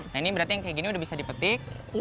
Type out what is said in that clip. nah ini berarti yang kayak gini udah bisa dipetik